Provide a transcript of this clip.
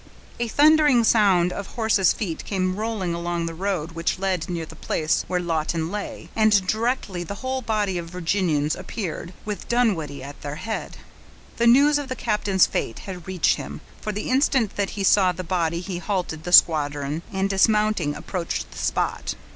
A thundering sound of horses' feet came rolling along the road which led near the place where Lawton lay, and directly the whole body of Virginians appeared, with Dunwoodie at their head. The news of the captain's fate had reached him, for the instant that he saw the body he halted the squadron, and, dismounting, approached the spot.